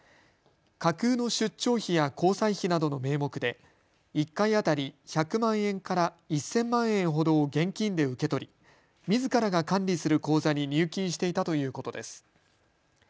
架空の出張費や交際費などの名目で１回当たり１００万円から１０００万円ほどを現金で受け取りみずからが管理する口座に入金していたということです。